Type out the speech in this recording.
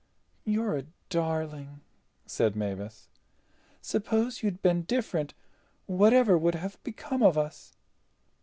"You are a darling," said Mavis. "Suppose you'd been different, whatever would have become of us?"